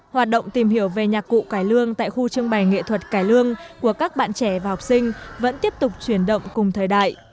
hoạt động tìm hiểu về nhạc cụ cải lương tại khu trưng bày nghệ thuật cải lương của các bạn trẻ và học sinh vẫn tiếp tục chuyển động cùng thời đại